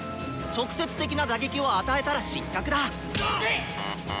直接的な打撃を与えたら失格だ！